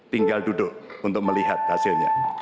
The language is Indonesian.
tinggal duduk untuk melihat hasilnya